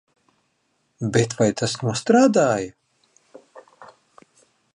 Bet vai tas nostrādāja?